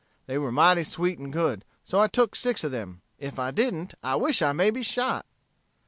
They were mighty sweet and good, so I took six of them. If I didn't, I wish I may be shot!"